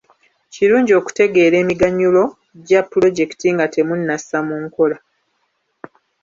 Kirungi okutegeera emiganyulo gya pulojekiti nga temunnassa mu nkola